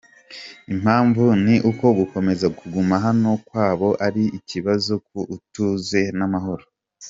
Impamvu ni uko gukomeza kuguma hano kwabo ari ikibazo ku ituze n’amahoro.